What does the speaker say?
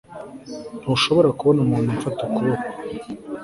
Ntushobora kubona umuntu umfata ukuboko